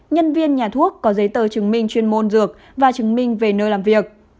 nhân viên nhà thuốc có giấy tờ chứng minh chuyên môn dược và chứng minh về nơi làm việc